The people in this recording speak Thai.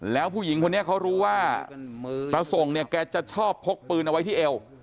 แล้วผู้หญิงคนนี้เขารู้ว่าตาส่งเนี่ยแกจะชอบพกปืนเอาไว้ที่เอว